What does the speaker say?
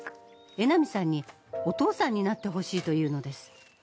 江波さんにお父さんになってほしいというのです。